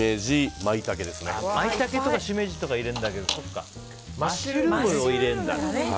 マイタケとかシメジとか入れるけどマッシュルームを入れるんだ。